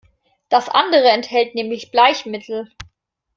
Das andere enthält nämlich Bleichmittel.